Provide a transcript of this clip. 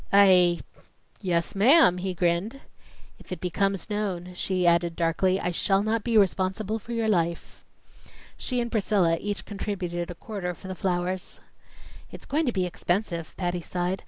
"I yes, ma'am," he grinned. "If it becomes known," she added darkly, "I shall not be responsible for your life." She and Priscilla each contributed a quarter for the flowers. "It's going to be expensive," Patty sighed.